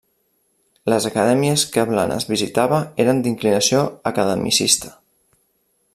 Les acadèmies que Blanes visitava eren d'inclinació academicista.